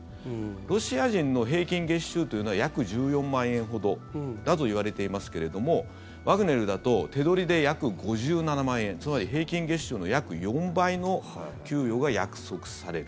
ロシア人の平均月収というのは約１４万円ほどだといわれていますけれどもワグネルだと手取りで約５７万円つまり平均月収の約４倍の給与が約束される。